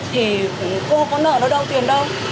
thì cô không có nợ nó đâu tiền đâu